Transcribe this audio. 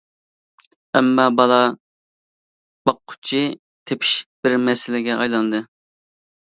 ئەمما بالا باققۇچى تېپىش بىر مەسىلىگە ئايلاندى.